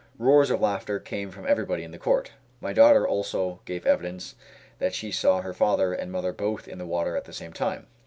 Roars of laughter came from everybody in the court. My daughter also gave evidence that she saw her father and mother both in the water at the same time.